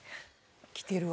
きてるわ。